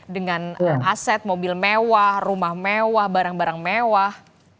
dengan aset mobil mewah rumah mewah barang barang mewah